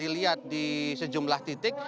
dilihat di sejumlah titik